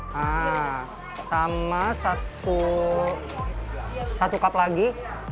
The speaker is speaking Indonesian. nah sama satu cup lagi